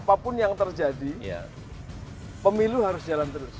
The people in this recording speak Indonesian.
jadi setelah ini terjadi pemilu harus jalan terus